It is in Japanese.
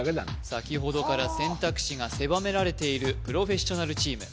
先ほどから選択肢が狭められているプロフェッショナルチーム